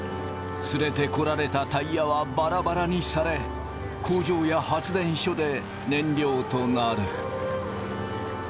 連れてこられたタイヤはバラバラにされ工場や発電所で燃料となる。